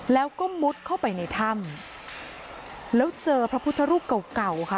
แล้วก็มุดเข้าไปในถ้ำแล้วเจอพระพุทธรูปเก่าเก่าค่ะ